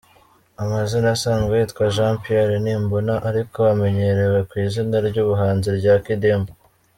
Amazina asanzwe yitwa Jean Pierre Nimbona ariko amenyerewe ku izina ry’ubuhanzi rya Kidum.